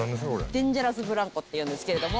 デンジャラスブランコというんですけども。